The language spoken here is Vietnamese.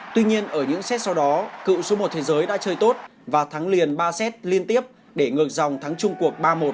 tuy nhiên ở những xét sau đó cựu số một thế giới đã chơi tốt và thắng liền ba xét liên tiếp để ngược dòng thắng trung cuộc ba một